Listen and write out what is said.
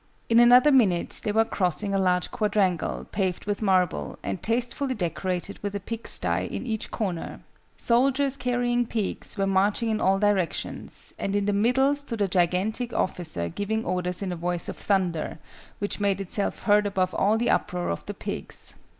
In another minute they were crossing a large quadrangle, paved with marble, and tastefully decorated with a pigsty in each corner. Soldiers, carrying pigs, were marching in all directions: and in the middle stood a gigantic officer giving orders in a voice of thunder, which made itself heard above all the uproar of the pigs.